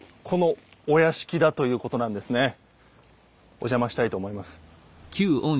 お邪魔したいと思います。